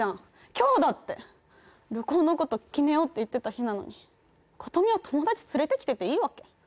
今日だって旅行のこと決めようって言ってた日なのに琴美は友達連れてきてていいわけ？